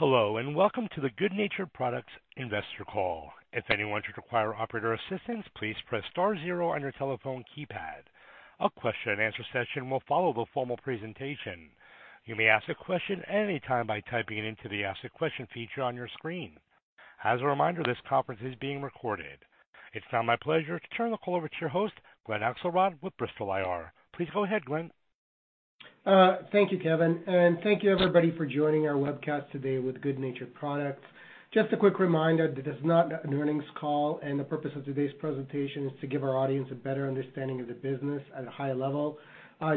Hello, welcome to the good natured Products investor call. If anyone should require operator assistance, please press star zero on your telephone keypad. A question and answer session will follow the formal presentation. You may ask a question anytime by typing it into the Ask a Question feature on your screen. As a reminder, this conference is being recorded. It's now my pleasure to turn the call over to your host, Glen Axelrod with Bristol IR. Please go ahead, Glenn. Thank you, Kevin, and thank you everybody for joining our webcast today with good natured Products. Just a quick reminder that this is not an earnings call, and the purpose of today's presentation is to give our audience a better understanding of the business at a high level.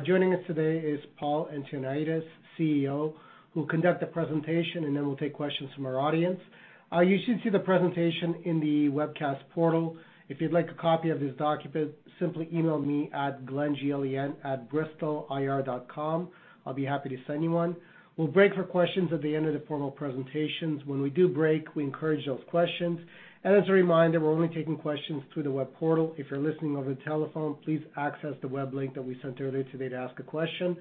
Joining us today is Paul Antoniadis, CEO, who'll conduct the presentation, and then we'll take questions from our audience. You should see the presentation in the webcast portal. If you'd like a copy of this document, simply email me at Glen, G-L-E-N, @bristolir.com. I'll be happy to send you one. We'll break for questions at the end of the formal presentations. When we do break, we encourage those questions. As a reminder, we're only taking questions through the web portal. If you're listening over the telephone, please access the web link that we sent earlier today to ask a question.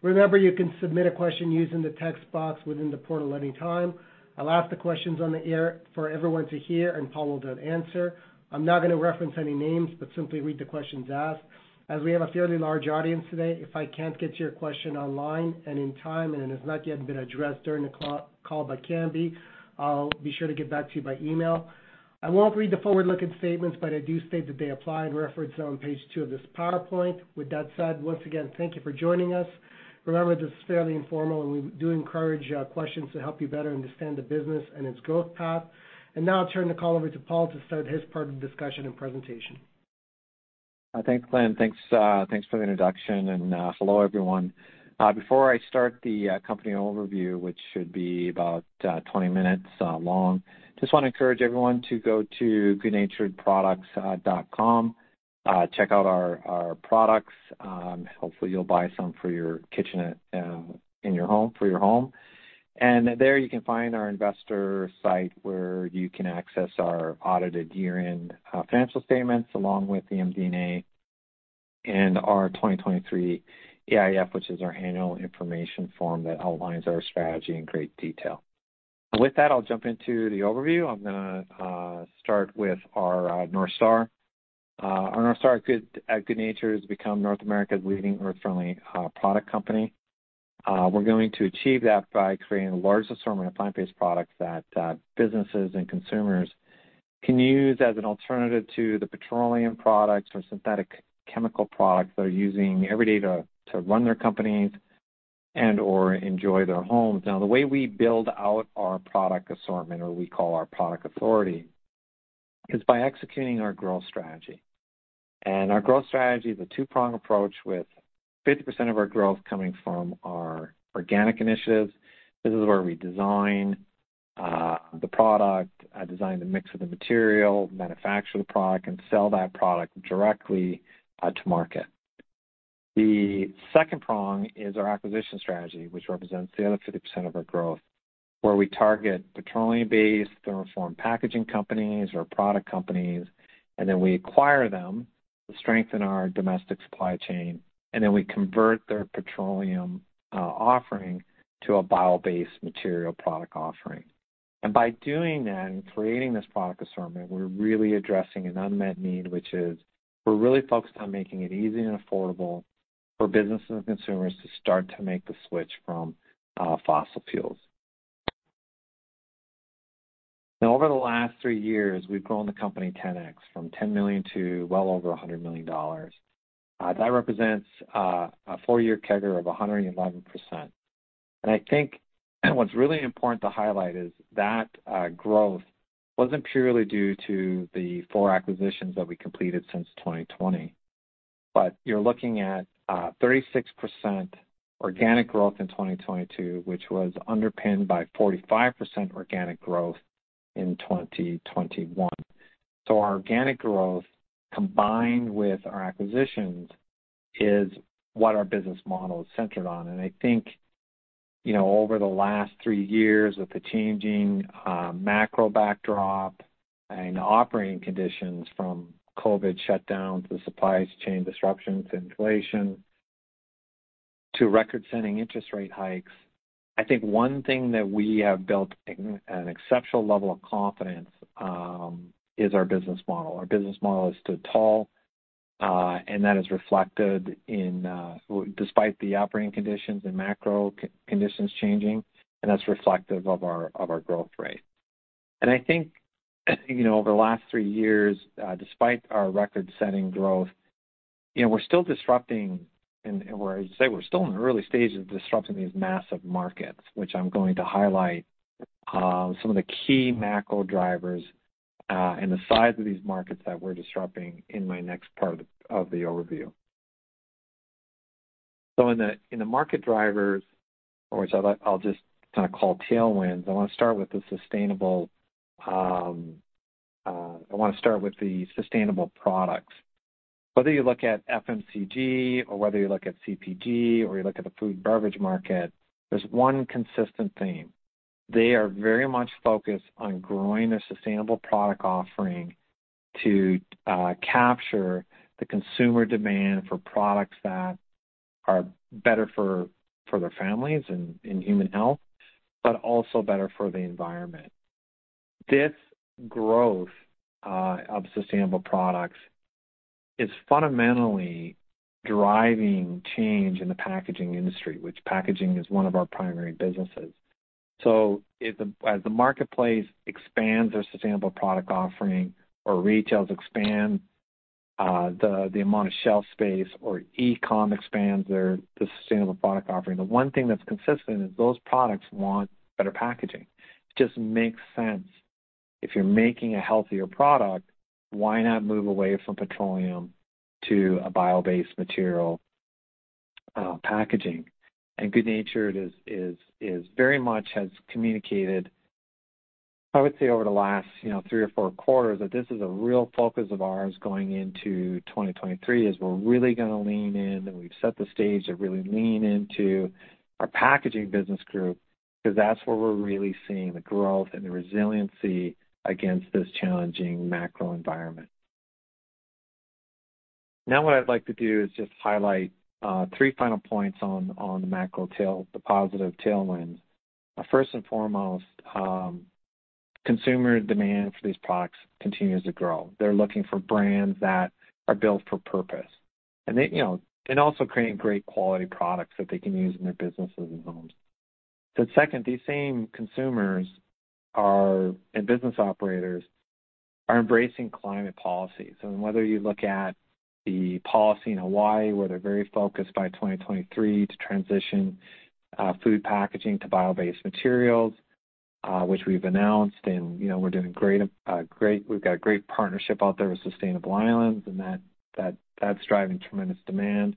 Remember, you can submit a question using the text box within the portal at any time. I'll ask the questions on the air for everyone to hear, and Paul will then answer. I'm not gonna reference any names, but simply read the questions asked. As we have a fairly large audience today, if I can't get to your question online and in time, and it has not yet been addressed during the call but can be, I'll be sure to get back to you by email. I won't read the forward-looking statements, but I do state that they apply and reference on page two of this PowerPoint. With that said, once again, thank you for joining us. Remember, this is fairly informal, and we do encourage questions to help you better understand the business and its growth path. Now I'll turn the call over to Paul to start his part of the discussion and presentation. Thanks, Glenn. Thanks for the introduction. Hello, everyone. Before I start the company overview, which should be about 20 minutes long, just wanna encourage everyone to go to goodnaturedproducts.com. Check out our products. Hopefully, you'll buy some for your kitchen in your home, for your home. There you can find our investor site where you can access our audited year-end financial statements along with the MD&A and our 2023 AIF, which is our annual information form that outlines our strategy in great detail. With that, I'll jump into the overview. I'm gonna start with our North Star. Our North Star at good natured is to become North America's leading earth-friendly product company. We're going to achieve that by creating the largest assortment of plant-based products that businesses and consumers can use as an alternative to the petroleum products or synthetic chemical products they're using every day to run their companies and/or enjoy their homes. Now, the way we build out our product assortment or we call our product authority is by executing our growth strategy. Our growth strategy is a two-prong approach with 50% of our growth coming from our organic initiatives. This is where we design the product, design the mix of the material, manufacture the product, and sell that product directly to market. The second prong is our acquisition strategy, which represents the other 50% of our growth, where we target petroleum-based thermoformed packaging companies or product companies. We acquire them to strengthen our domestic supply chain. We convert their petroleum offering to a bio-based material product offering. By doing that and creating this product assortment, we're really addressing an unmet need, which is we're really focused on making it easy and affordable for businesses and consumers to start to make the switch from fossil fuels. Over the last three years, we've grown the company 10x, from $10 million to well over $100 million. That represents a four-year CAGR of 111%. I think what's really important to highlight is that growth wasn't purely due to the four acquisitions that we completed since 2020, but you're looking at 36% organic growth in 2022, which was underpinned by 45% organic growth in 2021. Our organic growth combined with our acquisitions is what our business model is centered on. I think, you know, over the last three years with the changing macro backdrop and operating conditions from COVID shutdowns to supply chain disruptions, inflation to record-setting interest rate hikes, I think one thing that we have built an exceptional level of confidence is our business model. Our business model has stood tall, and that is reflected in despite the operating conditions and macro conditions changing, and that's reflective of our, of our growth rate. I think, you know, over the last three years, despite our record-setting growth, you know, we're still disrupting and we're still in the early stages of disrupting these massive markets, which I'm going to highlight, some of the key macro drivers, and the size of these markets that we're disrupting in my next part of the overview. In the, in the market drivers, or as I'll just kinda call tailwinds, I wanna start with the sustainable, I wanna start with the sustainable products. Whether you look at FMCG or whether you look at CPG or you look at the Food and Beverage market, there's one consistent theme. They are very much focused on growing their sustainable product offering to capture the consumer demand for products that are better for their families and human health, but also better for the environment. This growth of sustainable products is fundamentally driving change in the packaging industry, which packaging is one of our primary businesses. As the marketplace expands their sustainable product offering or retailers expand the amount of shelf space, or e-com expands their sustainable product offering, the one thing that's consistent is those products want better packaging. It just makes sense. If you're making a healthier product, why not move away from petroleum to a bio-based material packaging? good natured is very much has communicated, I would say over the last, you know, three or four quarters, that this is a real focus of ours going into 2023, is we're really gonna lean in and we've set the stage to really lean into our packaging business group, 'cause that's where we're really seeing the growth and the resiliency against this challenging macro environment. What I'd like to do is just highlight three final points on the macro tail, the positive tailwinds. First and foremost, consumer demand for these products continues to grow. They're looking for brands that are built for purpose. They, you know, and also creating great quality products that they can use in their businesses and homes. Second, these same consumers are, and business operators, are embracing climate policies. Whether you look at the policy in Hawaii, where they're very focused by 2023 to transition food packaging to bio-based materials, which we've announced, and, you know, we've got great partnership out there with Sustainable Islands and that's driving tremendous demand.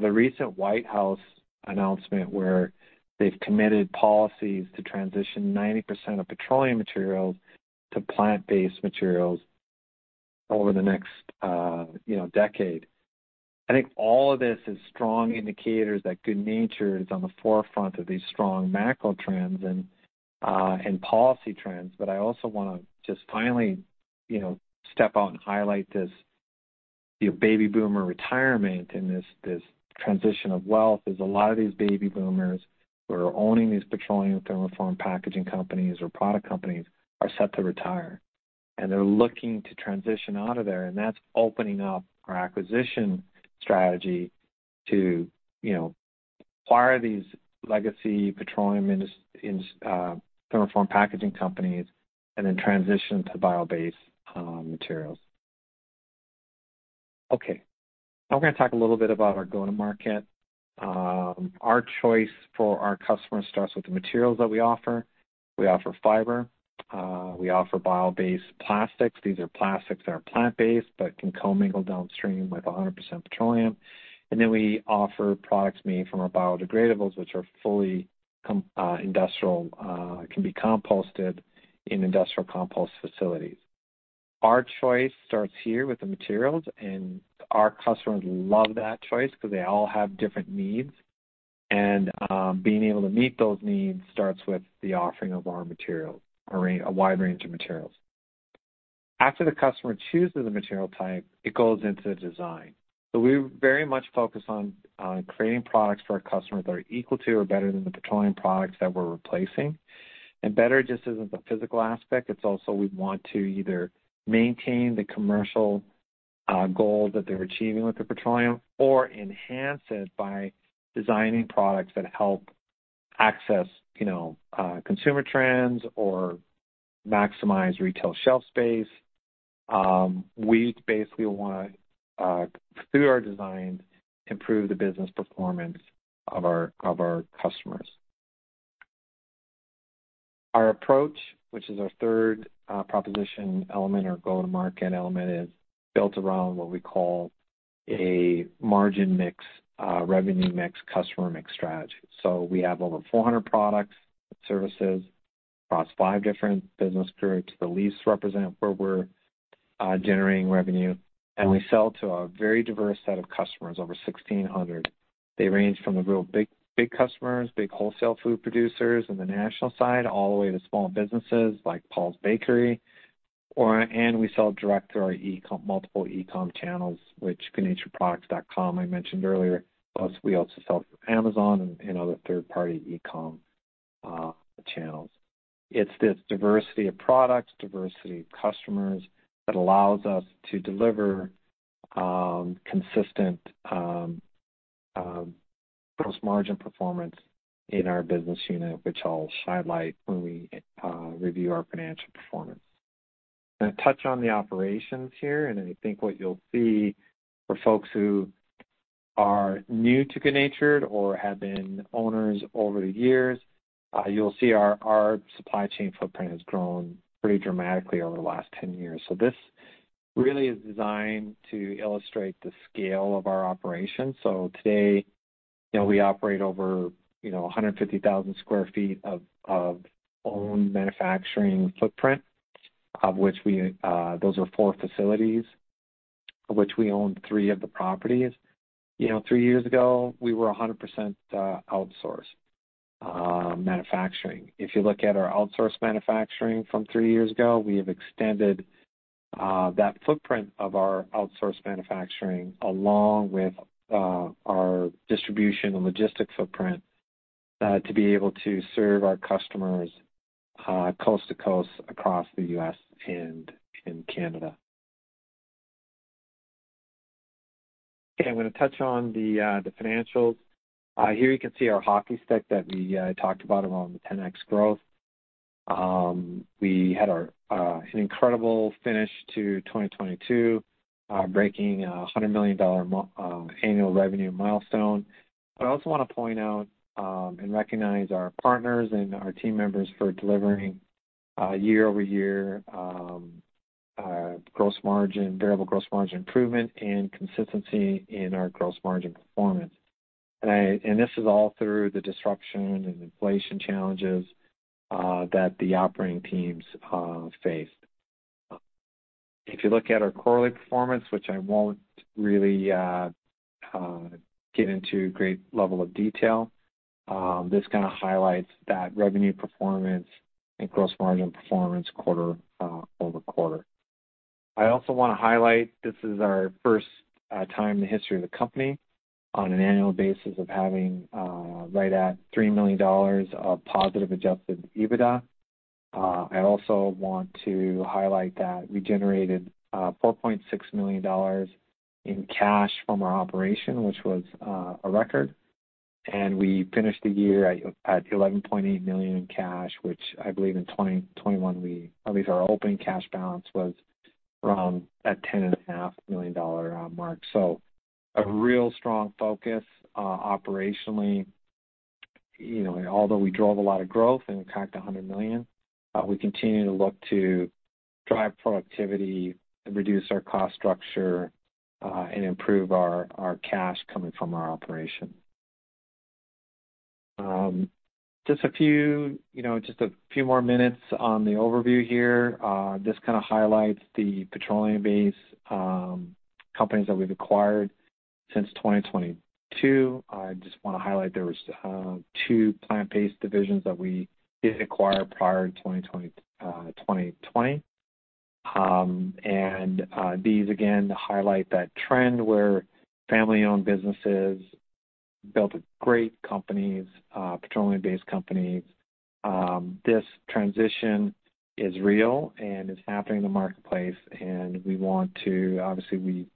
The recent White House announcement where they've committed policies to transition 90% of petroleum materials to plant-based materials over the next, you know, decade. I think all of this is strong indicators that good natured is on the forefront of these strong macro trends and policy trends. I also wanna just finally, you know, step out and highlight this, you know, baby boomer retirement and this transition of wealth is a lot of these baby boomers who are owning these petroleum thermoform packaging companies or product companies are set to retire, and they're looking to transition out of there, and that's opening up our acquisition strategy to, you know, acquire these legacy petroleum thermoform packaging companies and then transition to bio-based materials. Okay. We're gonna talk a little bit about our go-to-market. Our choice for our customers starts with the materials that we offer. We offer fiber, we offer bio-based plastics. These are plastics that are plant-based but can co-mingle downstream with 100% petroleum. We offer products made from our biodegradables, which are fully industrial, can be composted in industrial compost facilities. Our choice starts here with the materials, and our customers love that choice 'cause they all have different needs. Being able to meet those needs starts with the offering of our materials, a wide range of materials. After the customer chooses the material type, it goes into the design. We very much focus on creating products for our customers that are equal to or better than the petroleum products that we're replacing. Better just isn't the physical aspect, it's also we want to either maintain the commercial goal that they're achieving with the petroleum or enhance it by designing products that help access, you know, consumer trends or maximize retail shelf space. We basically wanna through our designs, improve the business performance of our customers. Our approach, which is our third proposition element or go-to-market element, is built around what we call a margin mix, revenue mix, customer mix strategy. We have over 400 products and services across five different business groups. The least represent where we're generating revenue. We sell to a very diverse set of customers, over 1,600. They range from the real big, big customers, big wholesale food producers on the national side, all the way to small businesses like Paul's Bakery, and we sell direct through our multiple e-com channels, which goodnaturedproducts.com I mentioned earlier, plus we also sell through Amazon and other third-party e-com channels. It's this diversity of products, diversity of customers that allows us to deliver consistent gross margin performance in our business unit, which I'll highlight when we review our financial performance. Gonna touch on the operations here. I think what you'll see for folks who are new to good natured or have been owners over the years, you'll see our supply chain footprint has grown pretty dramatically over the last 10 years. This really is designed to illustrate the scale of our operations. Today, you know, we operate over, you know, 150,000 sq ft of own manufacturing footprint, of which we, those are four facilities. Of which we own three of the properties. You know, three years ago, we were 100%, outsourced manufacturing. If you look at our outsourced manufacturing from three years ago, we have extended that footprint of our outsourced manufacturing along with our distribution and logistics footprint to be able to serve our customers coast to coast across the U.S. and in Canada. Okay, I'm gonna touch on the financials. Here you can see our hockey stick that we talked about around the 10x growth. We had an incredible finish to 2022, breaking a $100 million annual revenue milestone. I also wanna point out and recognize our partners and our team members for delivering year-over-year gross margin, variable gross margin improvement and consistency in our gross margin performance. This is all through the disruption and inflation challenges that the operating teams faced. If you look at our quarterly performance, which I won't really get into great level of detail, this kind of highlights that revenue performance and gross margin performance quarter-over-quarter. I also want to highlight, this is our first time in the history of the company on an annual basis of having right at $3 million of positive adjusted EBITDA. I also want to highlight that we generated $4.6 million in cash from our operation, which was a record. We finished the year at $11.8 million in cash, which I believe in 2021 at least our opening cash balance was around that ten and a half million dollar mark. A real strong focus operationally. You know, although we drove a lot of growth and we cracked $100 million, we continue to look to drive productivity, reduce our cost structure, and improve our cash coming from our operation. Just a few, you know, more minutes on the overview here. This kind of highlights the petroleum-based companies that we've acquired since 2022. I just want to highlight there was two plant-based divisions that we did acquire prior to 2020. These again highlight that trend where family-owned businesses built great companies, petroleum-based companies. This transition is real, and it's happening in the marketplace. Obviously, we've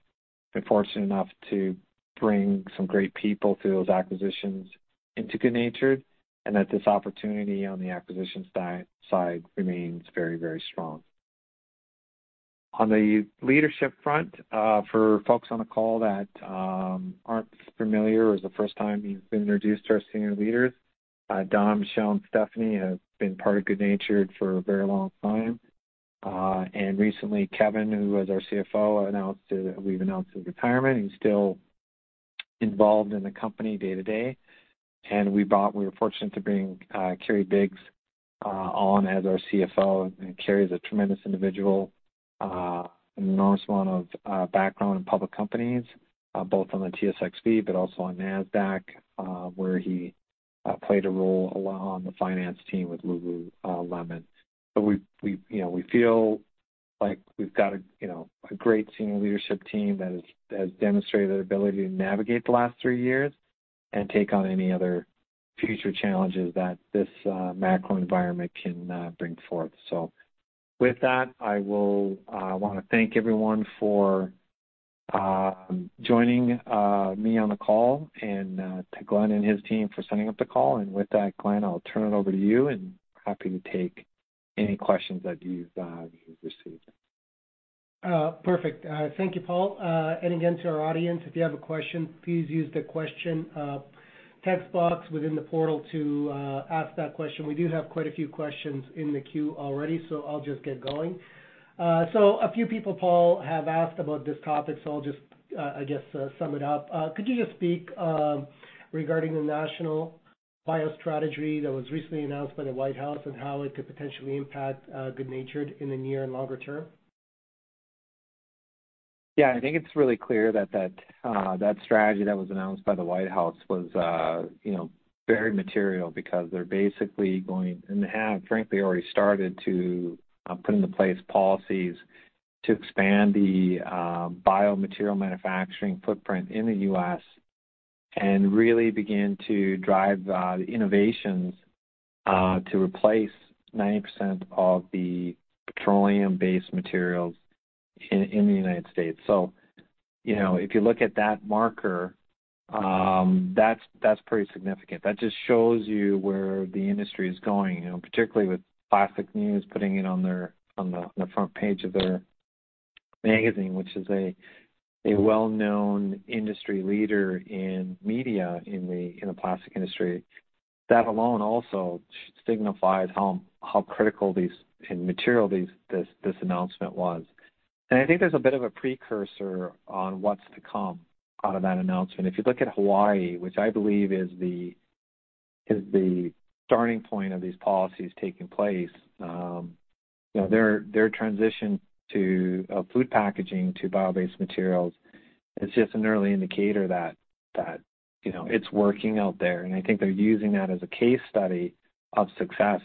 been fortunate enough to bring some great people through those acquisitions into good natured, and that this opportunity on the acquisition side remains very strong. On the leadership front, for folks on the call that aren't familiar or is the first time you've been introduced to our senior leaders, Don, Michelle, and Stephanie have been part of good natured for a very long time. Recently, Kevin, who was our CFO, we've announced his retirement. He's still involved in the company day-to-day. We were fortunate to bring Kerry Biggs on as our CFO. Kerry's a tremendous individual. An enormous amount of background in public companies, both on the TSXV but also on NASDAQ, where he played a role along the finance team with lululemon. We, you know, we feel like we've got a, you know, a great senior leadership team that has demonstrated their ability to navigate the last three years and take on any other future challenges that this macro environment can bring forth. With that, I will wanna thank everyone for joining me on the call and to Glenn and his team for setting up the call. With that, Glenn, I'll turn it over to you, and happy to take any questions that you've received. Perfect. Thank you, Paul. Again to our audience, if you have a question, please use the question text box within the portal to ask that question. We do have quite a few questions in the queue already, so I'll just get going. A few people, Paul, have asked about this topic, so I'll just I guess sum it up. Could you just speak regarding the National Bio Strategy that was recently announced by the White House and how it could potentially impact good natured in the near and longer term? Yeah. I think it's really clear that that strategy that was announced by the White House was, you know, very material because they're basically going, and they have frankly already started to put into place policies to expand the biomaterial manufacturing footprint in the U.S. and really begin to drive the innovations to replace 90% of the petroleum-based materials in the United States. If you look at that marker, that's pretty significant. That just shows you where the industry is going, you know, particularly with Plastics News putting it on the front page of their magazine, which is a well-known industry leader in media in the plastic industry. That alone also signifies how critical this announcement was. I think there's a bit of a precursor on what's to come out of that announcement. If you look at Hawaii, which I believe is the starting point of these policies taking place, you know, their transition to food packaging to bio-based materials is just an early indicator that, you know, it's working out there. I think they're using that as a case study of success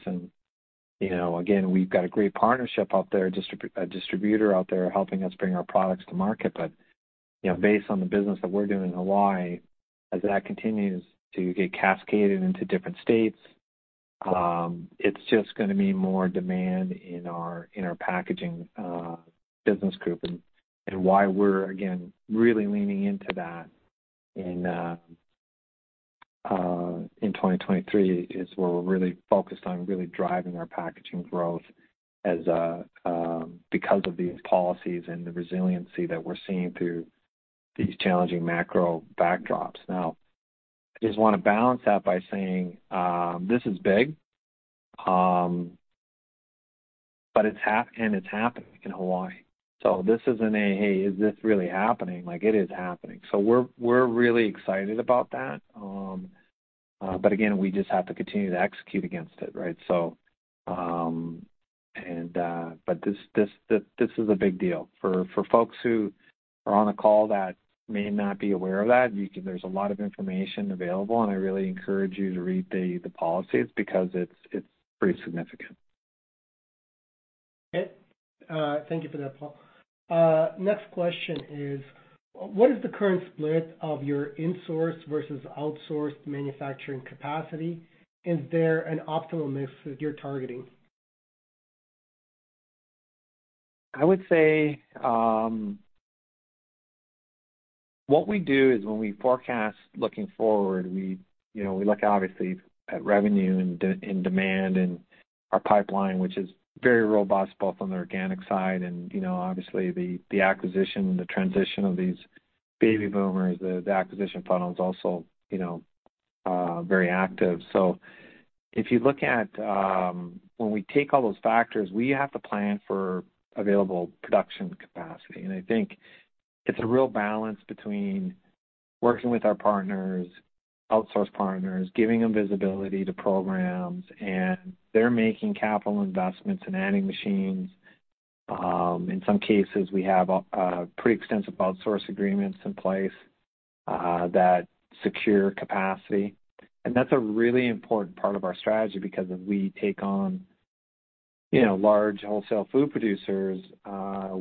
and, you know, again, we've got a great partnership out there, a distributor out there helping us bring our products to market. You know, based on the business that we're doing in Hawaii, as that continues to get cascaded into different states, it's just gonna be more demand in our packaging business group and why we're again really leaning into that in 2023 is where we're really focused on really driving our packaging growth as because of these policies and the resiliency that we're seeing through these challenging macro backdrops. I just wanna balance that by saying, this is big, and it's happening in Hawaii. This isn't a, "Hey, is this really happening?" Like it is happening. We're really excited about that. Again, we just have to continue to execute against it, right? This is a big deal. For folks who are on a call that may not be aware of that, there's a lot of information available, and I really encourage you to read the policies because it's pretty significant. Okay. Thank you for that, Paul. Next question is, what is the current split of your insourced versus outsourced manufacturing capacity? Is there an optimum mix that you're targeting? I would say, what we do is when we forecast looking forward, we, you know, we look obviously at revenue and demand and our pipeline, which is very robust both on the organic side and, you know, obviously the acquisition, the transition of these baby boomers. The acquisition funnel is also, you know, very active. If you look at, when we take all those factors, we have to plan for available production capacity. I think it's a real balance between working with our partners, outsource partners, giving them visibility to programs, and they're making capital investments and adding machines. In some cases, we have pretty extensive outsource agreements in place that secure capacity. That's a really important part of our strategy because if we take on, you know, large wholesale food producers,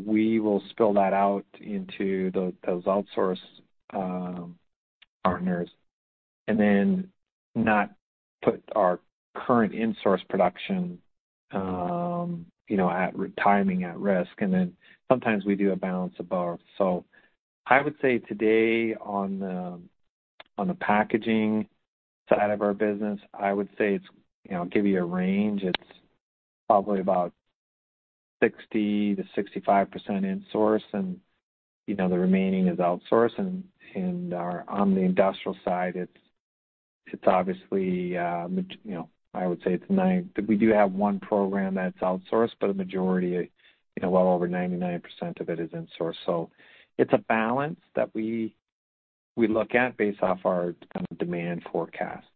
we will spill that out into those outsource partners and then not put our current insource production, you know, at timing at risk. Sometimes we do a balance of both. I would say today on the packaging side of our business, I would say it's, you know, give you a range. It's probably about 60%-65% insource and, you know, the remaining is outsource. On the industrial side, it's obviously, you know, I would say We do have one program that's outsourced, but a majority, you know, well over 99% of it is insource. It's a balance that we look at based off our kind of demand forecast.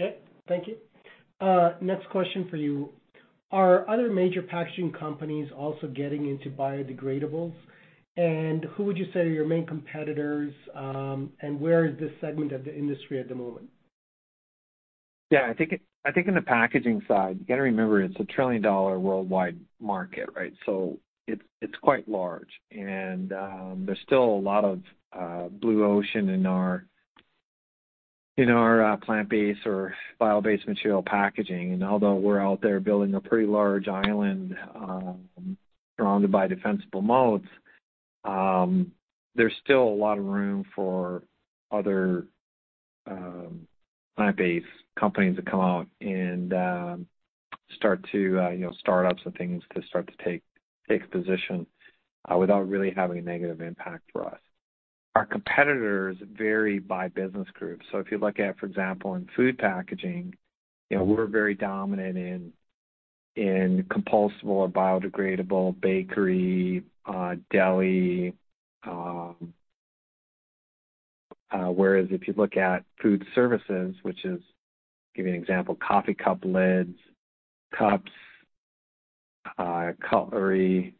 Okay. Thank you. Next question for you. Are other major packaging companies also getting into biodegradables? Who would you say are your main competitors, and where is this segment of the industry at the moment? Yeah. I think in the packaging side, you gotta remember it's a trillion-dollar worldwide market, right? It's, it's quite large. There's still a lot of blue ocean in our, in our plant-based or bio-based material packaging. Although we're out there building a pretty large island, surrounded by defensible moats, there's still a lot of room for other plant-based companies to come out and start to, you know, startups and things to start to take position, without really having a negative impact for us. Our competitors vary by business groups. If you look at, for example, in food packaging, you know, we're very dominant in compostable or biodegradable bakery, deli, whereas if you look at food services, which is, give you an example, coffee cup lids, cups, cutlery,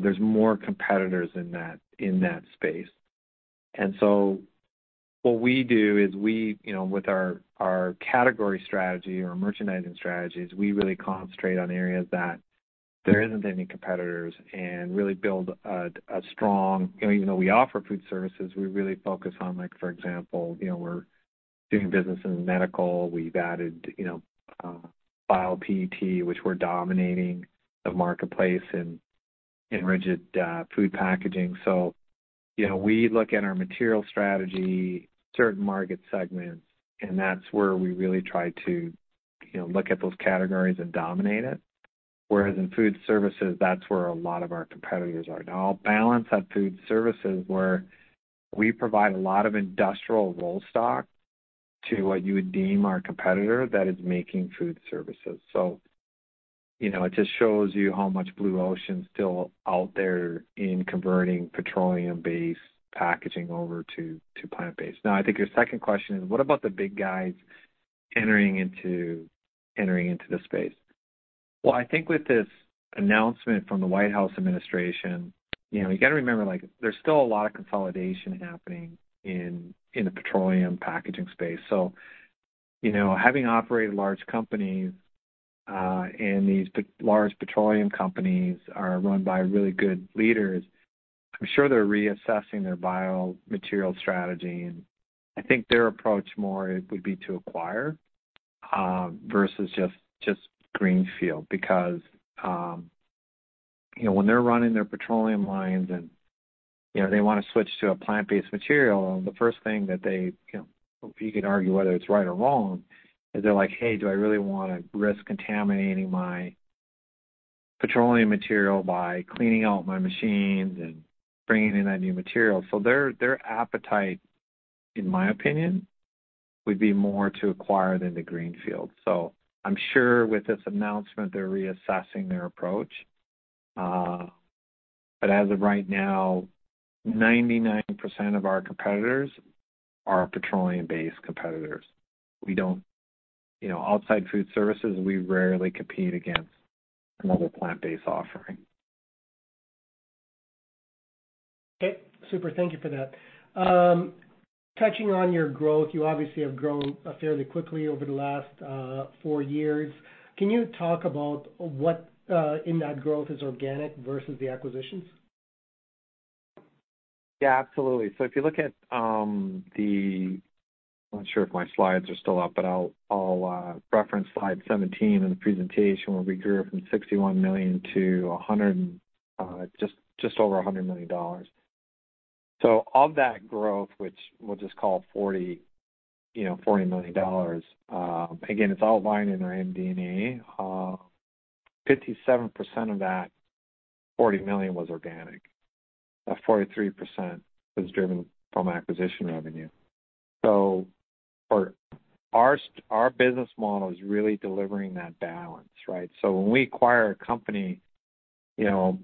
there's more competitors in that space. What we do is we, you know, with our category strategy or merchandising strategies, we really concentrate on areas that there isn't any competitors and really build a strong. You know, even though we offer food services, we really focus on, like, for example, you know, we're doing business in medical. We've added, you know, Bio-PET, which we're dominating the marketplace in rigid food packaging. You know, we look at our material strategy, certain market segments, and that's where we really try to, you know, look at those categories and dominate it. Whereas in food services, that's where a lot of our competitors are. Now I'll balance that food services where we provide a lot of industrial roll stock to what you would deem our competitor that is making food services. You know, it just shows you how much blue ocean's still out there in converting petroleum-based packaging over to plant-based. Now, I think your second question is, what about the big guys entering into this space? Well, I think with this announcement from the White House administration, you know, you got to remember, like, there's still a lot of consolidation happening in the petroleum packaging space. You know, having operated large companies, and these large petroleum companies are run by really good leaders. I'm sure they're reassessing their bio material strategy, and I think their approach more would be to acquire versus just greenfield. You know, when they're running their petroleum lines and, you know, they want to switch to a plant-based material, the first thing that they, you know, you could argue whether it's right or wrong, is they're like, "Hey, do I really want to risk contaminating my petroleum material by cleaning out my machines and bringing in that new material?" Their appetite, in my opinion, would be more to acquire than the greenfield. I'm sure with this announcement they're reassessing their approach. As of right now, 99% of our competitors are petroleum-based competitors. We don't... You know, outside food services, we rarely compete against another plant-based offering. Okay. Super. Thank you for that. Touching on your growth, you obviously have grown fairly quickly over the last four years. Can you talk about what in that growth is organic versus the acquisitions? Yeah, absolutely. If you look at, I'm not sure if my slides are still up, but I'll reference slide 17 in the presentation where we grew from $61 million to a hundred and just over $100 million. Of that growth, which we'll just call $40 million, you know, again, it's outlined in our MD&A, 57% of that $40 million was organic. 43% was driven from acquisition revenue. For our business model is really delivering that balance, right? When we acquire a company, you know,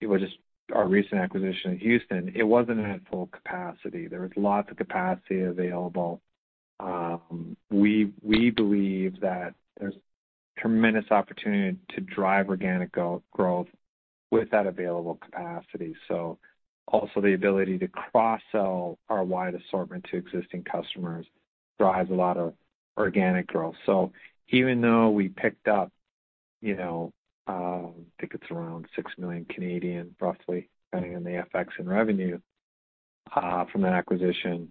it was just our recent acquisition in Houston, it wasn't at full capacity. There was lots of capacity available. We believe that there's tremendous opportunity to drive organic go-growth with that available capacity. Also the ability to cross-sell our wide assortment to existing customers drives a lot of organic growth. Even though we picked up, you know, I think it's around 6 million roughly, depending on the FX and revenue from that acquisition,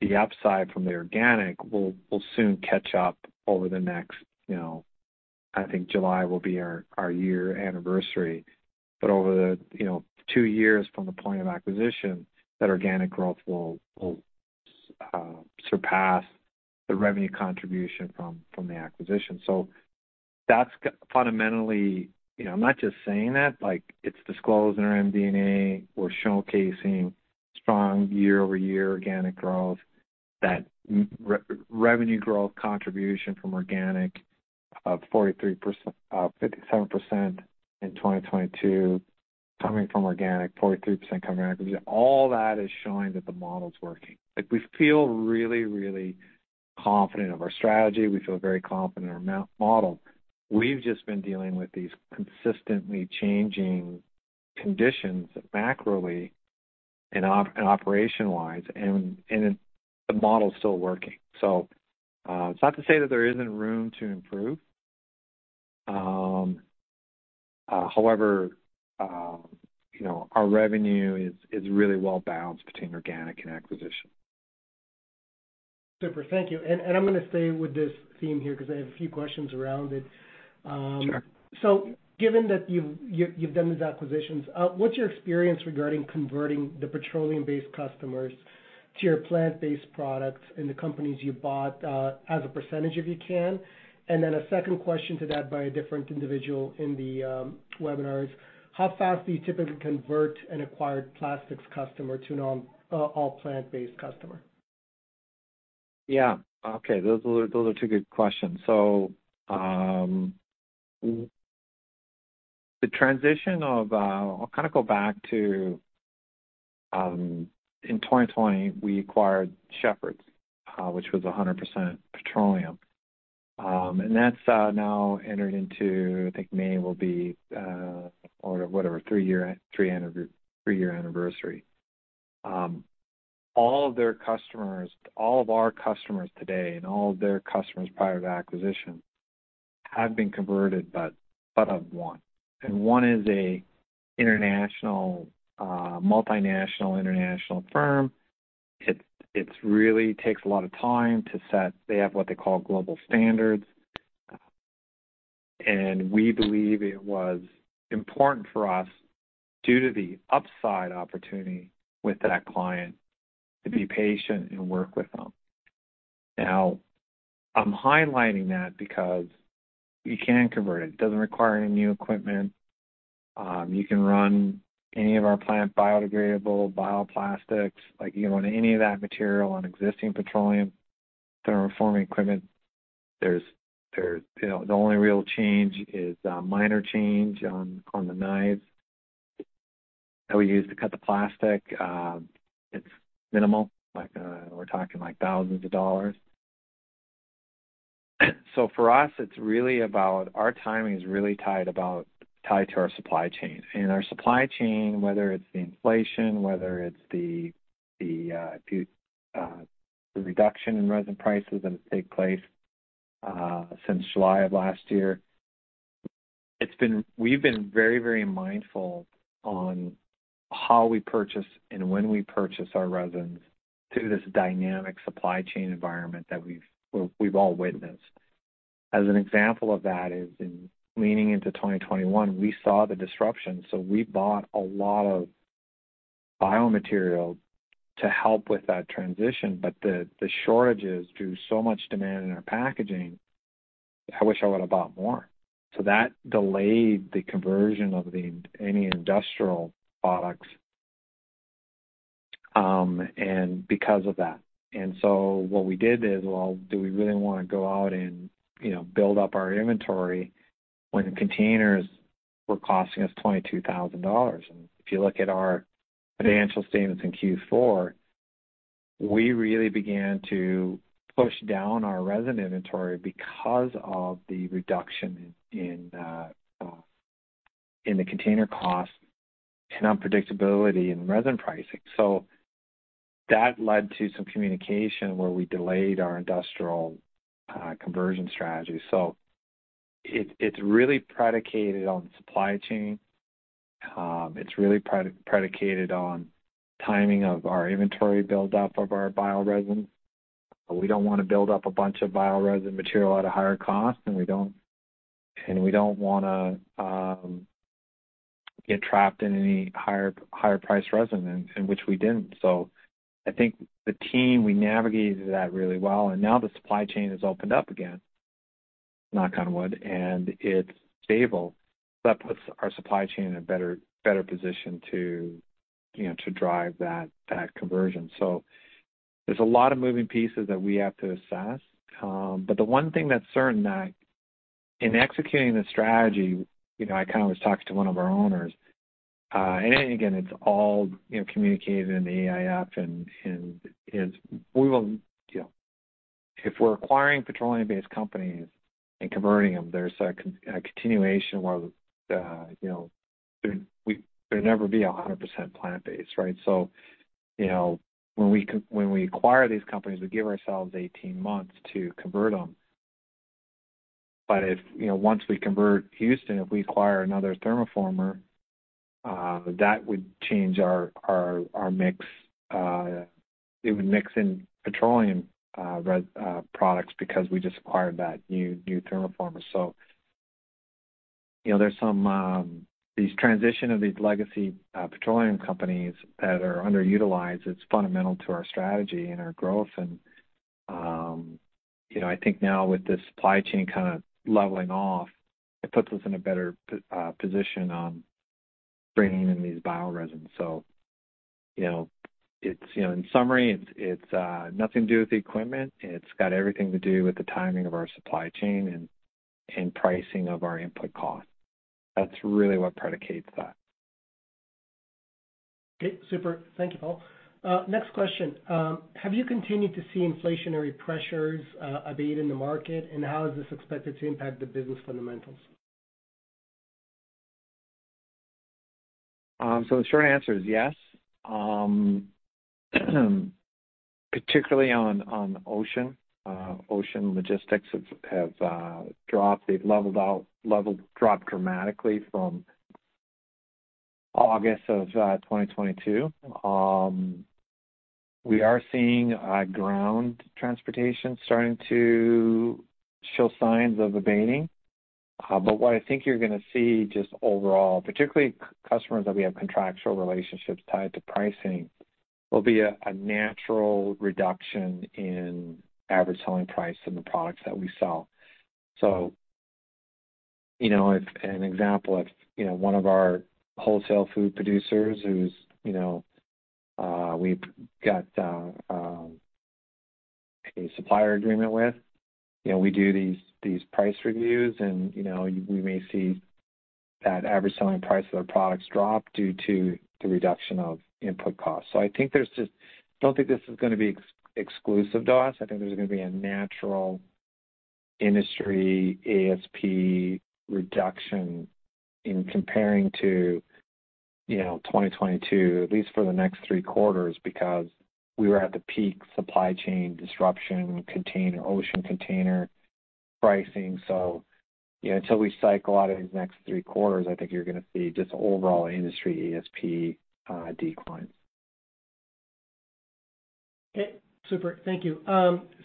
the upside from the organic will soon catch up over the next, you know... I think July will be our year anniversary. Over the, you know, two years from the point of acquisition, that organic growth will surpass the revenue contribution from the acquisition. That's fundamentally, you know, I'm not just saying that. Like, it's disclosed in our MD&A. We're showcasing strong year-over-year organic growth. That revenue growth contribution from organic of 43%, 57% in 2022 coming from organic, 43% coming from acquisition. All that is showing that the model is working. Like, we feel really confident of our strategy. We feel very confident in our model. We've just been dealing with these consistently changing conditions macroly and operationally, the model's still working. It's not to say that there isn't room to improve. However, you know, our revenue is really well balanced between organic and acquisition. Super. Thank you. I'm gonna stay with this theme here 'cause I have a few questions around it. Sure. Given that you've done these acquisitions, what's your experience regarding converting the petroleum-based customers to your plant-based products in the companies you bought, as a percentage, if you can? A second question to that by a different individual in the webinar is, how fast do you typically convert an acquired plastics customer to an all plant-based customer? Yeah. Okay. Those are two good questions. I'll kind of go back to in 2020 we acquired Shepherd's, which was 100% petroleum. And that's now entered into, I think May will be, or whatever, 3-year anniversary. All of their customers, all of our customers today and all of their customers prior to acquisition have been converted but of one, and one is a international multinational international firm. It's really takes a lot of time to set. They have what they call global standards. We believe it was important for us, due to the upside opportunity with that client, to be patient and work with them. I'm highlighting that because you can convert it. It doesn't require any new equipment. You can run any of our plant biodegradable bioplastics, like you can run any of that material on existing petroleum thermoforming equipment. You know, the only real change is a minor change on the knives that we use to cut the plastic. It's minimal. Like, we're talking, like, thousands of dollars. For us, it's really about our timing is really tied to our supply chain. Our supply chain, whether it's the inflation, whether it's the reduction in resin prices that has take place since July of last year, we've been very, very mindful on how we purchase and when we purchase our resins through this dynamic supply chain environment that we've all witnessed. As an example of that is in leaning into 2021, we saw the disruption. We bought a lot of biomaterial to help with that transition. The shortages due so much demand in our packaging, I wish I would've bought more. That delayed the conversion of any industrial products, and because of that. What we did is, well, do we really wanna go out and, you know, build up our inventory when containers were costing us $22,000? If you look at our financial statements in Q4, we really began to push down our resin inventory because of the reduction in the container costs and unpredictability in resin pricing. That led to some communication where we delayed our industrial conversion strategy. It's really predicated on supply chain. It's really predicated on timing of our inventory buildup of our bioresin. We don't wanna build up a bunch of bioresin material at a higher cost, and we don't wanna get trapped in any higher priced resin in which we didn't. I think the team, we navigated that really well, and now the supply chain has opened up again, knock on wood, and it's stable. That puts our supply chain in a better position to, you know, to drive that conversion. There's a lot of moving pieces that we have to assess. The one thing that's certain that in executing the strategy, you know, I kind of was talking to one of our owners, again, it's all, you know, communicated in the AIF and is we will, you know... If we're acquiring petroleum-based companies and converting them, there's a continuation where, you know, there'd never be 100% plant-based, right? you know, when we acquire these companies, we give ourselves 18 months to convert them. If, you know, once we convert Houston, if we acquire another thermoformer, that would change our mix. It would mix in petroleum products because we just acquired that new thermoformer. you know, there's some, these transition of these legacy petroleum companies that are underutilized, it's fundamental to our strategy and our growth, you know, I think now with the supply chain kind of leveling off, it puts us in a better position on bringing in these bioresins. You know, it's nothing to do with the equipment. It's got everything to do with the timing of our supply chain and pricing of our input costs. That's really what predicates that. Okay, super. Thank you, Paul. Next question. Have you continued to see inflationary pressures abate in the market? How is this expected to impact the business fundamentals? The short answer is yes. Particularly on ocean. Ocean logistics have dropped. They've dropped dramatically from August of 2022. We are seeing ground transportation starting to show signs of abating. What I think you're gonna see just overall, particularly customers that we have contractual relationships tied to pricing, will be a natural reduction in average selling price in the products that we sell. You know, if an example, if, you know, one of our wholesale food producers who's, you know, we've got a supplier agreement with, you know, we do these price reviews and, you know, we may see that average selling price of their products drop due to the reduction of input costs. I don't think this is gonna be exclusive to us. I think there's gonna be a natural industry ASP reduction in comparing to, you know, 2022, at least for the next 3 quarters because we were at the peak supply chain disruption ocean container pricing. Until we cycle out of these next three quarters, I think you're gonna see just overall industry ASP decline. Okay, super. Thank you.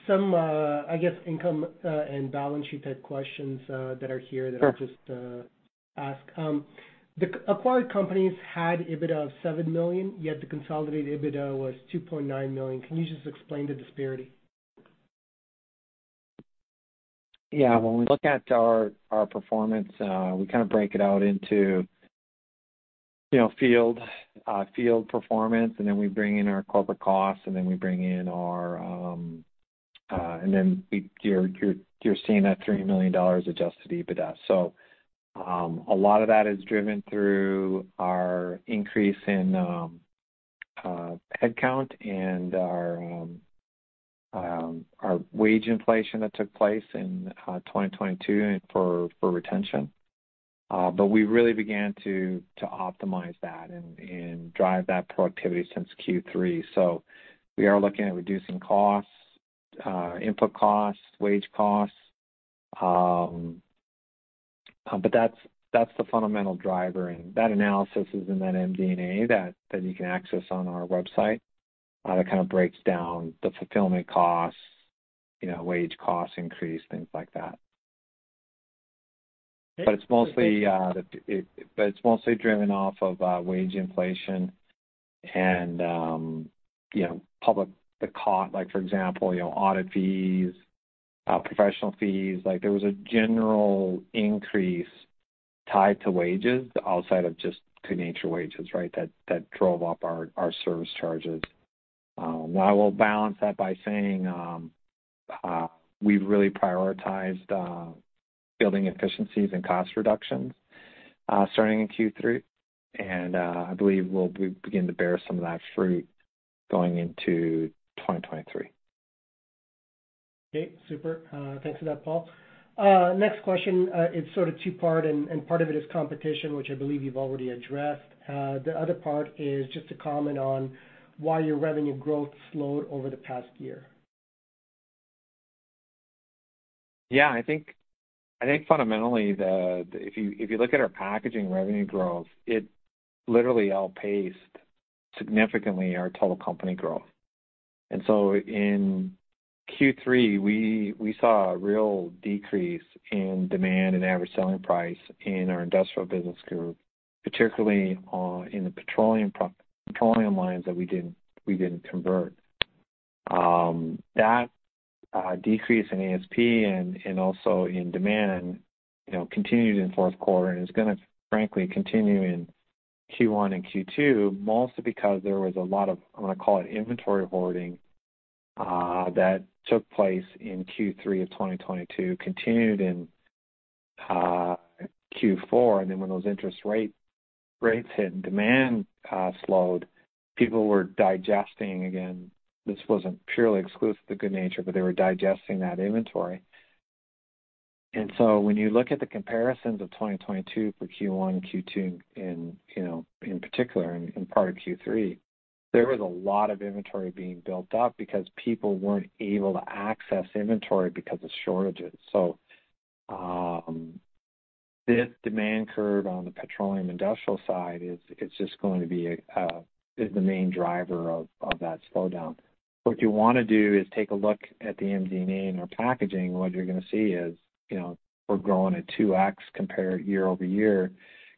some, I guess income, and balance sheet type questions, that are here. Sure. That I'll just ask. The acquired companies had EBITDA of $7 million, yet the consolidated EBITDA was $2.9 million. Can you just explain the disparity? When we look at our performance, we kind of break it out into, you know, field performance, and then we bring in our corporate costs, and then we bring in our. You're seeing that $30 million adjusted EBITDA. A lot of that is driven through our increase in headcount and our wage inflation that took place in 2022 and for retention. We really began to optimize that and drive that productivity since Q3. We are looking at reducing costs, input costs, wage costs. That's the fundamental driver. That analysis is in that MD&A that you can access on our website, that kind of breaks down the fulfillment costs, you know, wage costs increase, things like that. It's mostly driven off of wage inflation and, you know, public, Like, for example, you know, audit fees, professional fees. Like, there was a general increase tied to wages outside of just good natured wages, right, that drove up our service charges. I will balance that by saying, we've really prioritized building efficiencies and cost reductions, starting in Q3. I believe we'll begin to bear some of that fruit going into 2023. Okay, super. Thanks for that, Paul. Next question is sort of two-part. Part of it is competition, which I believe you've already addressed. The other part is just to comment on why your revenue growth slowed over the past year. Yeah. I think fundamentally if you look at our packaging revenue growth, it literally outpaced significantly our total company growth. In Q3, we saw a real decrease in demand and average selling price in our industrial business group, particularly in the petroleum lines that we didn't convert. That decrease in ASP and also in demand, you know, continued in fourth quarter and is gonna frankly continue in Q1 and Q2, mostly because there was a lot of, I'm gonna call it inventory hoarding, that took place in Q3 of 2022, continued in Q4. When those interest rates hit and demand slowed, people were digesting again. This wasn't purely exclusive to good natured, but they were digesting that inventory. When you look at the comparisons of 2022 for Q1, Q2 in, you know, in particular in part of Q3, there was a lot of inventory being built up because people weren't able to access inventory because of shortages. This demand curve on the petroleum industrial side is just going to be the main driver of that slowdown. What you wanna do is take a look at the MD&A in our packaging. What you're gonna see is, you know, we're growing at 2x compared year-over-year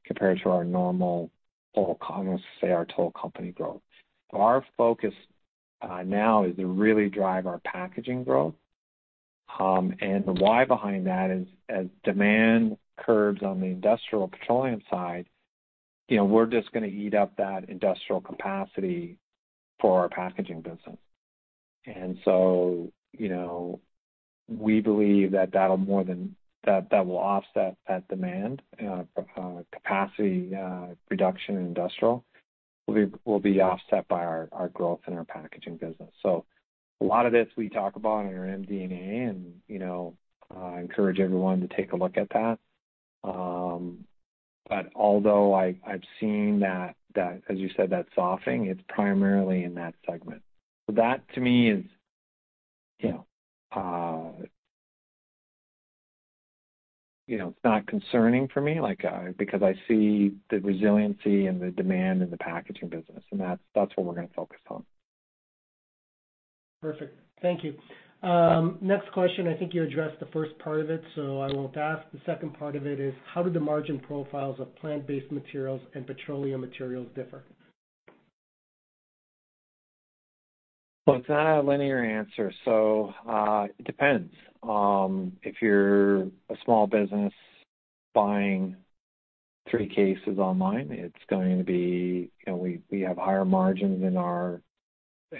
compared to our normal total. I'm gonna say our total company growth. Our focus now is to really drive our packaging growth. The why behind that is as demand curves on the industrial petroleum side, you know, we're just gonna eat up that industrial capacity for our packaging business. you know, we believe that will offset that demand. capacity reduction in industrial will be offset by our growth in our packaging business. A lot of this we talk about in our MD&A, and, you know, encourage everyone to take a look at that. Although I've seen that, as you said, that softening, it's primarily in that segment. That to me is, you know, you know, it's not concerning for me, like, because I see the resiliency and the demand in the packaging business, and that's what we're gonna focus on. Perfect. Thank you. Next question. I think you addressed the first part of it, so I won't ask. The second part of it is how did the margin profiles of plant-based materials and petroleum materials differ? Well, it's not a linear answer. It depends. If you're a small business buying 3 cases online, it's going to be, you know, we have higher margins in our,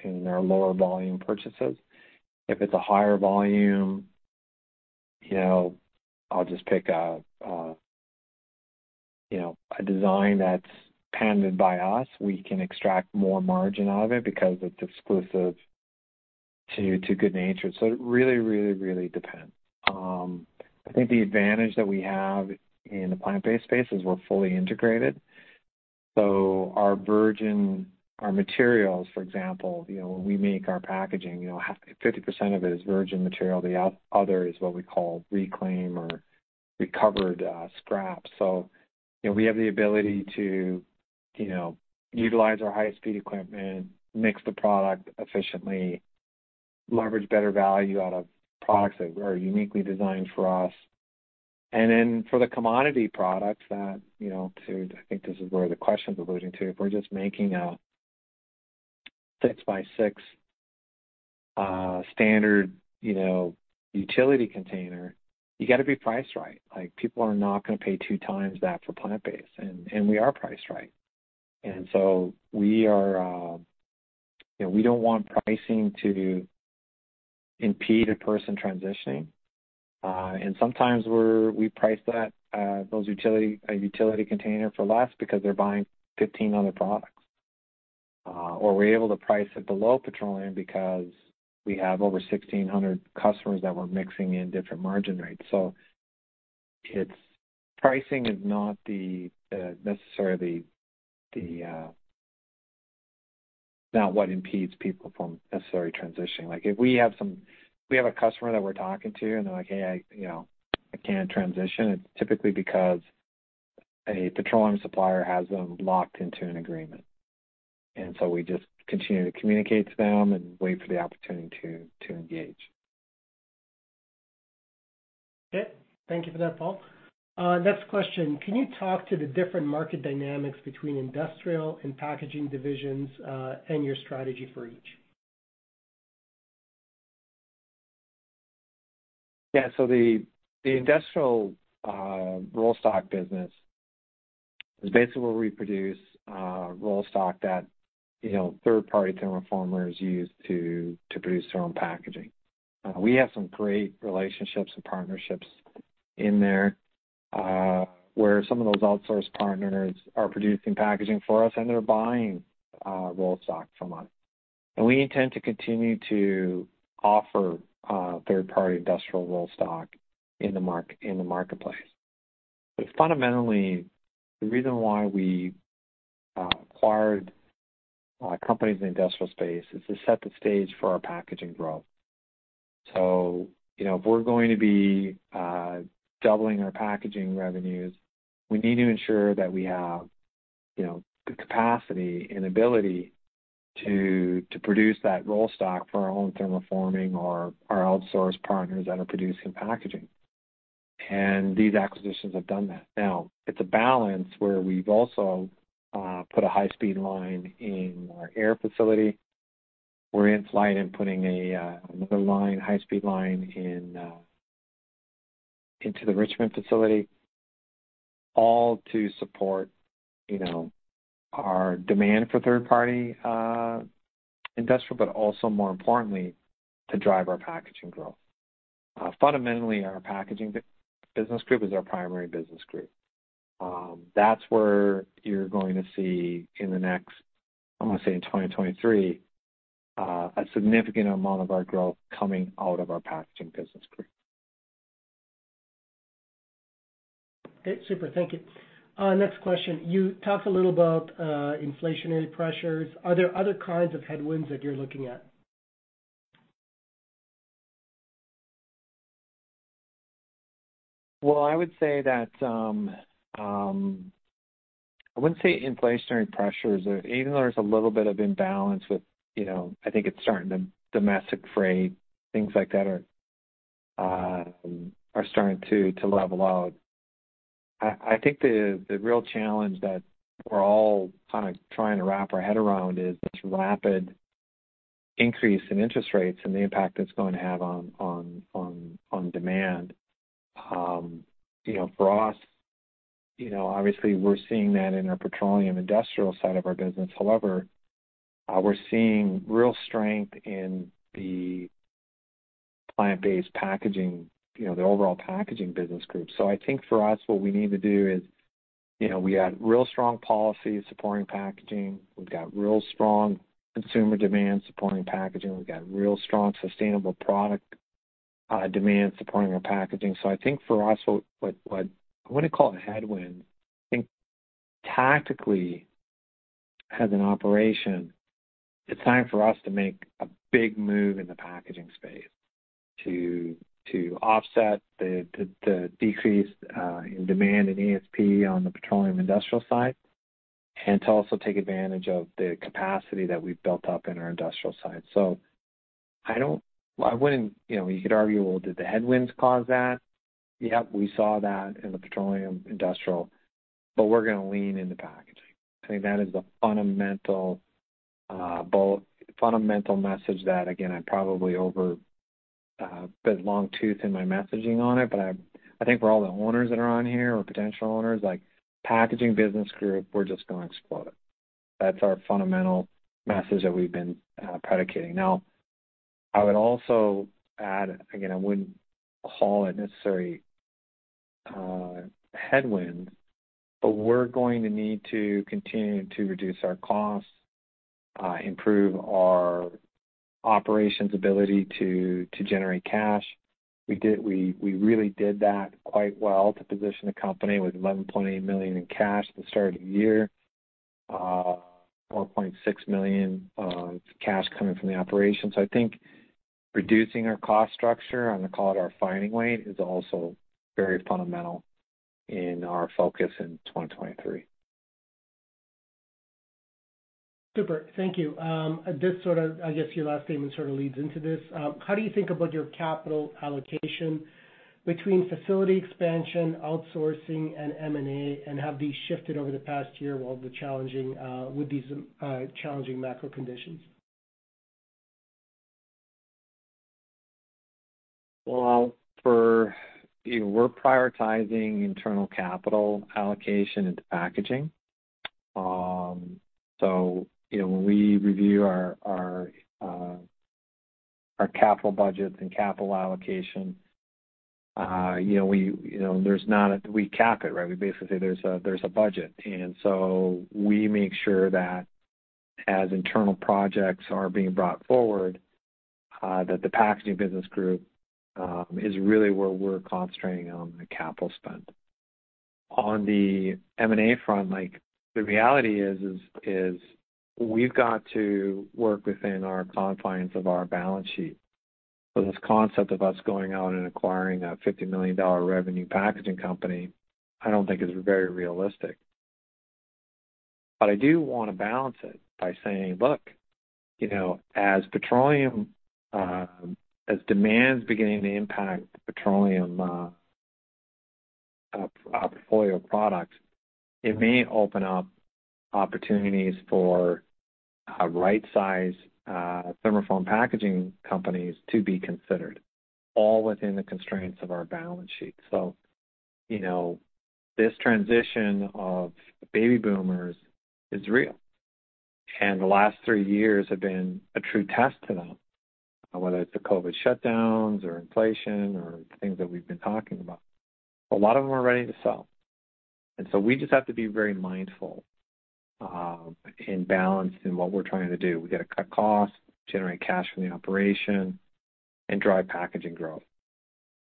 in our lower volume purchases. If it's a higher volume, you know, I'll just pick a design that's patented by us, we can extract more margin out of it because it's exclusive to good natured. It really depends. I think the advantage that we have in the plant-based space is we're fully integrated. Our virgin, our materials, for example, you know, when we make our packaging, you know, half 50% of it is virgin material, the other is what we call reclaim or recovered, scraps. You know, we have the ability to, you know, utilize our highest speed equipment, mix the product efficiently, leverage better value out of products that are uniquely designed for us. Then for the commodity products that, you know, I think this is where the question's alluding to. If we're just making 6x6 standard, you know, utility container, you got to be priced right. Like, people are not gonna pay two times that for plant-based, and we are priced right. We are, you know, we don't want pricing to impede a person transitioning. Sometimes we price that, those utility container for less because they're buying 15 other products. We're able to price it below petroleum because we have over 1,600 customers that we're mixing in different margin rates. It's pricing is not the necessarily the not what impedes people from necessarily transitioning. Like, if we have a customer that we're talking to and they're like, "Hey, I, you know, I can't transition," it's typically because a petroleum supplier has them locked into an agreement. We just continue to communicate to them and wait for the opportunity to engage. Okay. Thank you for that, Paul. Next question. Can you talk to the different market dynamics between industrial and packaging divisions and your strategy for each? Yeah. The industrial roll stock business is basically where we produce roll stock that, you know, third-party thermoformers use to produce their own packaging. We have some great relationships and partnerships in there, where some of those outsourced partners are producing packaging for us, and they're buying roll stock from us. We intend to continue to offer third-party industrial roll stock in the marketplace. Fundamentally, the reason why we acquired companies in the industrial space is to set the stage for our packaging growth. You know, if we're going to be doubling our packaging revenues, we need to ensure that we have, you know, the capacity and ability to produce that roll stock for our own thermoforming or our outsourced partners that are producing packaging. These acquisitions have done that. It's a balance where we've also put a high-speed line in our Ayr facility. We're in flight in putting a another line, high-speed line into the Richmond facility, all to support, you know, our demand for third-party industrial, but also more importantly, to drive our packaging growth. Fundamentally, our packaging business group is our primary business group. That's where you're going to see in the next, I'm gonna say in 2023, a significant amount of our growth coming out of our packaging business group. Okay. Super. Thank you. next question. You talked a little about inflationary pressures. Are there other kinds of headwinds that you're looking at? Well, I would say that I wouldn't say inflationary pressures. Even though there's a little bit of imbalance with, you know, I think it's starting to domestic freight, things like that are starting to level out. I think the real challenge that we're all kind of trying to wrap our head around is this rapid increase in interest rates and the impact it's going to have on demand. You know, for us, you know, obviously we're seeing that in our petroleum industrial side of our business. However, we're seeing real strength in the plant-based packaging, you know, the overall packaging business group. I think for us, what we need to do is, you know, we got real strong policies supporting packaging. We've got real strong consumer demand supporting packaging. We've got real strong sustainable product demand supporting our packaging. I think for us, I wouldn't call it a headwind. I think tactically, as an operation, it's time for us to make a big move in the packaging space to offset the decrease in demand in EPS on the petroleum industrial side and to also take advantage of the capacity that we've built up in our industrial side. I wouldn't. You know, you could argue, "Well, did the headwinds cause that?" Yep, we saw that in the petroleum industrial, but we're gonna lean into packaging. I think that is the fundamental, both fundamental message that, again, I probably over bit long tooth in my messaging on it. I think for all the owners that are on here or potential owners, like, packaging business group, we're just going to explode. That's our fundamental message that we've been predicating. I would also add, again, I wouldn't call it necessarily a headwind, but we're going to need to continue to reduce our costs, improve our operations ability to generate cash. We really did that quite well to position the company with $11.8 million in cash at the start of the year. $4.6 million of cash coming from the operations. I think reducing our cost structure, I'm going to call it our fighting weight, is also very fundamental in our focus in 2023. Super. Thank you. I guess your last statement sort of leads into this. How do you think about your capital allocation between facility expansion, outsourcing, and M&A, and have these shifted over the past year with these challenging macro conditions? Well, for, you know, we're prioritizing internal capital allocation into packaging. You know, when we review our capital budgets and capital allocation, you know, we, you know, we cap it, right? We basically say there's a, there's a budget. We make sure that as internal projects are being brought forward, that the packaging business group is really where we're concentrating on the capital spend. On the M&A front, like, the reality is we've got to work within our confines of our balance sheet. This concept of us going out and acquiring a $50 million revenue packaging company I don't think is very realistic. I do wanna balance it by saying, "Look, you know, as petroleum, as demand's beginning to impact the petroleum portfolio of products, it may open up opportunities for right size thermoform packaging companies to be considered, all within the constraints of our balance sheet." You know, this transition of baby boomers is real, and the last three years have been a true test to them, whether it's the COVID shutdowns or inflation or the things that we've been talking about. A lot of them are ready to sell, we just have to be very mindful in balance in what we're trying to do. We gotta cut costs, generate cash from the operation, and drive packaging growth,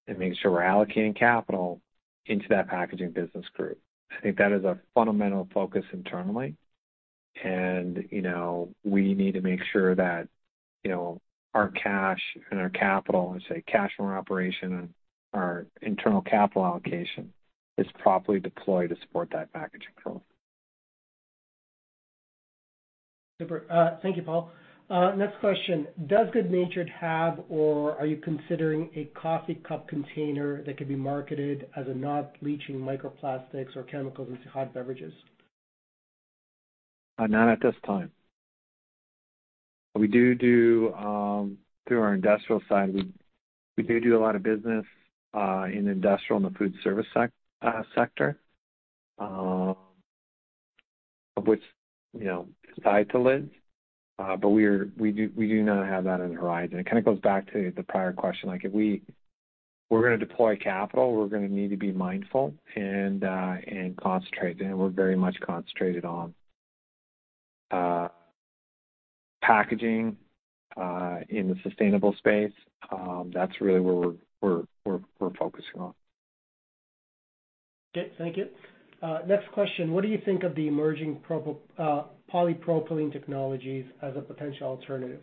and making sure we're allocating capital into that packaging business group. I think that is a fundamental focus internally. You know, we need to make sure that, you know, our cash and our capital, let's say cash from our operation and our internal capital allocation, is properly deployed to support that packaging growth. Super. Thank you, Paul. Next question: Does good natured have or are you considering a coffee cup container that could be marketed as a not leaching microplastics or chemicals into hot beverages? Not at this time. We do through our industrial side, we do a lot of business in industrial and the food service sector, of which, you know, decide to live. We do not have that on the horizon. It kind of goes back to the prior question, like if we're gonna deploy capital, we're gonna need to be mindful and concentrate. We're very much concentrated on packaging in the sustainable space. That's really where we're focusing on. Okay. Thank you. Next question: What do you think of the emerging polypropylene technologies as a potential alternative?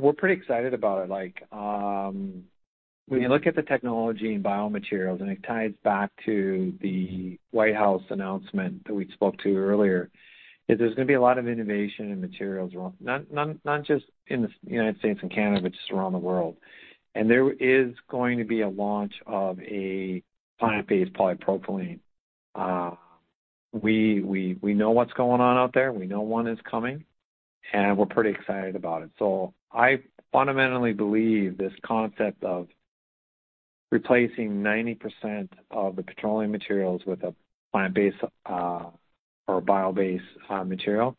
We're pretty excited about it. Like, when you look at the technology in biomaterials, and it ties back to the White House announcement that we spoke to earlier, there's gonna be a lot of innovation in materials around, not just in the United States and Canada, but just around the world. There is going to be a launch of a plant-based polypropylene. We know what's going on out there, and we know one is coming, and we're pretty excited about it. I fundamentally believe this concept of replacing 90% of the petroleum materials with a plant-based, or bio-based, material,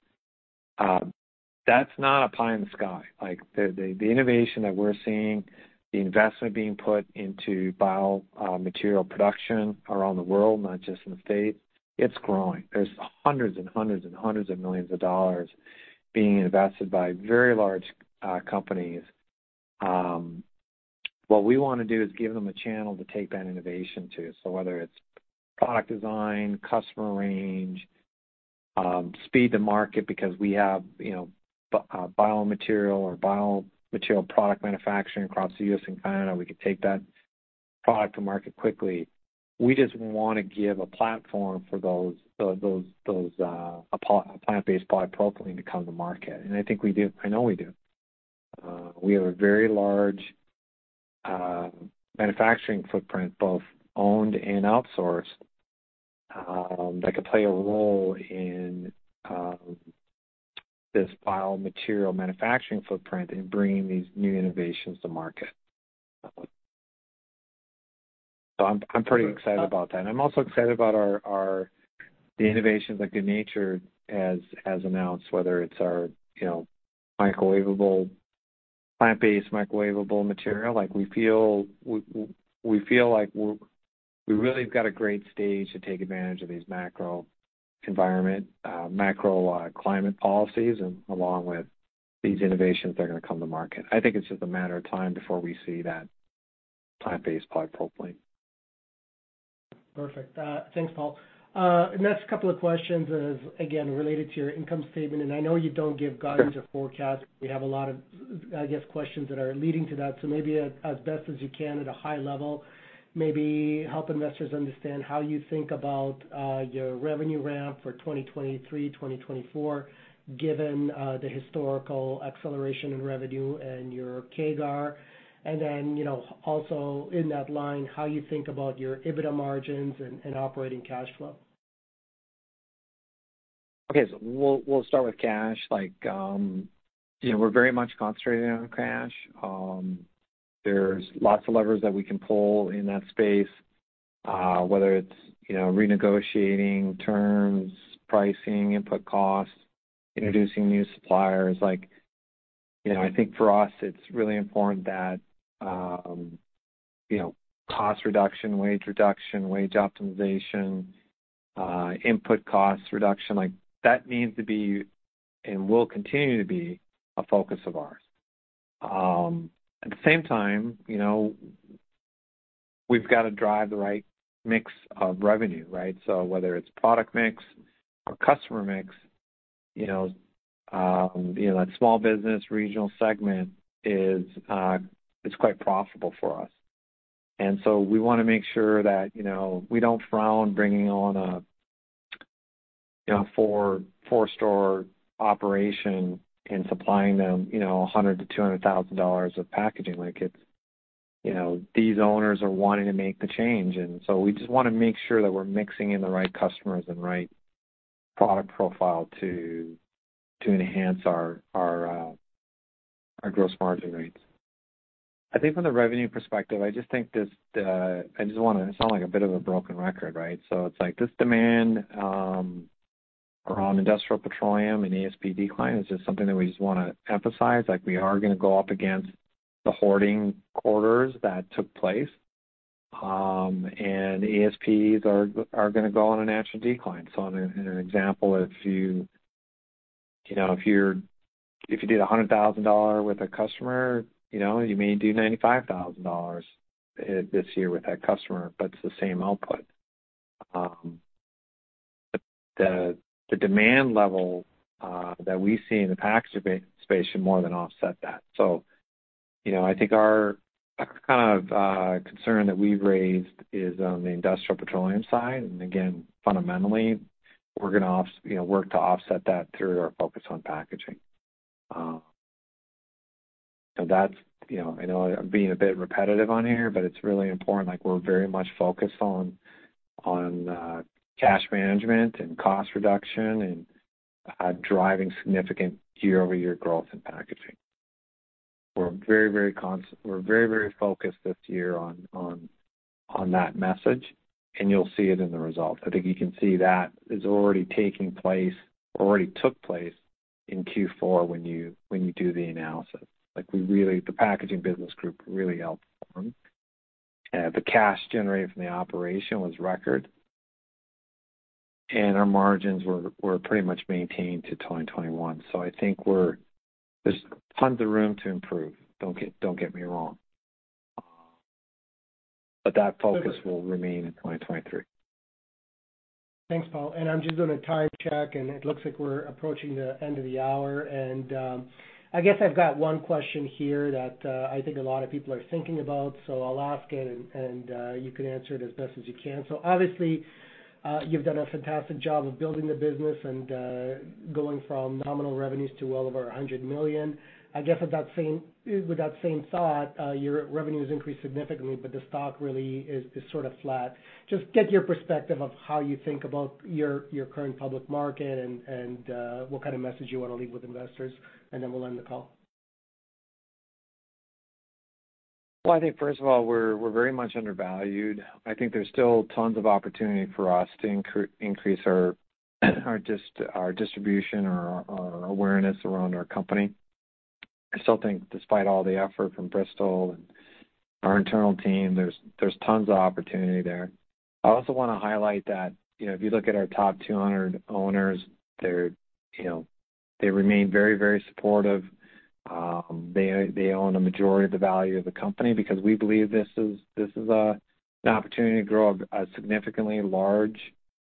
that's not a pie in the sky. Like the innovation that we're seeing, the investment being put into bio material production around the world, not just in the States, it's growing. There's hundreds of millions of dollars being invested by very large companies. What we wanna do is give them a channel to take that innovation to. So whether it's product design, customer range, speed to market, because we have, you know, biomaterial or biomaterial product manufacturing across the U.S. and Canada, we can take that product to market quickly. We just wanna give a platform for those plant-based polypropylene to come to market. And I think we do. I know we do. We have a very large manufacturing footprint, both owned and outsourced, that could play a role in this biomaterial manufacturing footprint in bringing these new innovations to market. So I'm pretty excited about that. I'm also excited about our, the innovations that good natured has announced, whether it's our, you know, microwavable, plant-based microwavable material. Like we feel, we feel like we're, we really have got a great stage to take advantage of these macro environment, macro climate policies and along with these innovations that are gonna come to market. I think it's just a matter of time before we see that plant-based polypropylene. Perfect. Thanks, Paul. Next couple of questions is again related to your income statement. I know you don't give guidance or forecasts. We have a lot of, I guess, questions that are leading to that. Maybe as best as you can at a high level, maybe help investors understand how you think about your revenue ramp for 2023, 2024, given the historical acceleration in revenue and your CAGR. Then, you know, also in that line, how you think about your EBITDA margins and operating cash flow. Okay. We'll start with cash. Like, you know, we're very much concentrated on cash. There's lots of levers that we can pull in that space, whether it's, you know, renegotiating terms, pricing, input costs, introducing new suppliers. Like, you know, I think for us it's really important that, you know, cost reduction, wage reduction, wage optimization, input cost reduction, like that needs to be and will continue to be a focus of ours. At the same time, you know, we've got to drive the right mix of revenue, right? Whether it's product mix or customer mix, you know, that small business regional segment is, it's quite profitable for us. We wanna make sure that, you know, we don't frown bringing on a, you know, 4-store operation and supplying them, you know, $100,000-$200,000 of packaging. You know, these owners are wanting to make the change, and so we just wanna make sure that we're mixing in the right customers and right product profile to enhance our gross margin rates. I think from the revenue perspective, I just think this. I just wanna sound like a bit of a broken record, right? It's like this demand around industrial petroleum and ASP decline is just something that we just wanna emphasize, like we are gonna go up against the hoarding quarters that took place. ASPs are gonna go on a natural decline. In an example, if you know, if you did $100,000 with a customer, you know, you may do $95,000 this year with that customer, but it's the same output. The demand level that we see in the packaging space should more than offset that. You know, I think our kind of concern that we've raised is on the industrial petroleum side. Again, fundamentally, we're gonna you know, work to offset that through our focus on packaging. That's, you know. I know I'm being a bit repetitive on here, but it's really important. Like, we're very much focused on cash management and cost reduction and driving significant year-over-year growth in packaging. We're very focused this year on that message. You'll see it in the results. I think you can see that is already taking place or already took place in Q4 when you do the analysis. Like we really. The packaging business group really outperformed. The cash generated from the operation was record. Our margins were pretty much maintained to 2021. There's tons of room to improve, don't get me wrong. That focus will remain in 2023. Thanks, Paul. I'm just doing a time check, and it looks like we're approaching the end of the hour. I guess I've got one question here that I think a lot of people are thinking about, so I'll ask it and you can answer it as best as you can. Obviously, you've done a fantastic job of building the business and going from nominal revenues to well over $100 million. I guess with that same, with that same thought, your revenue has increased significantly, but the stock really is sort of flat. Just get your perspective of how you think about your current public market and what kind of message you want to leave with investors, and then we'll end the call. Well, I think first of all, we're very much undervalued. I think there's still tons of opportunity for us to increase our distribution or our awareness around our company. I still think despite all the effort from Bristol and our internal team, there's tons of opportunity there. I also wanna highlight that, you know, if you look at our top 200 owners, they're, you know, they remain very supportive. They own a majority of the value of the company because we believe this is an opportunity to grow a significantly large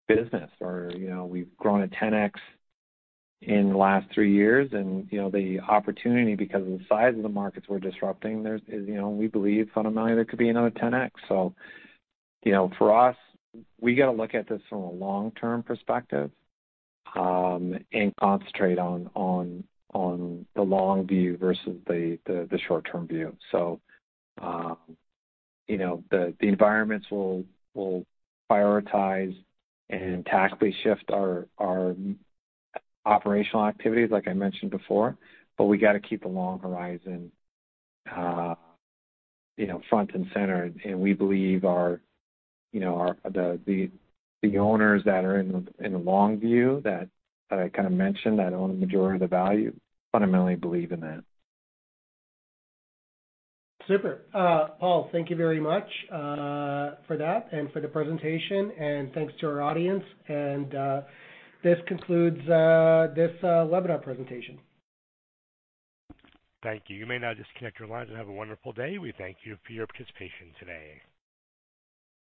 business. You know, we've grown at 10x in the last three years. You know, the opportunity, because of the size of the markets we're disrupting is, you know, we believe fundamentally there could be another 10x. You know, for us, we got to look at this from a long-term perspective, and concentrate on the long view versus the short-term view. you know, the environments will prioritize and tactically shift our operational activities, like I mentioned before, but we got to keep a long horizon, you know, front and center. we believe our, you know, the owners that are in the long view that I kind of mentioned, that own the majority of the value, fundamentally believe in that. Super. Paul, thank you very much for that and for the presentation. Thanks to our audience. This concludes this webinar presentation. Thank you. You may now disconnect your lines, and have a wonderful day. We thank you for your participation today.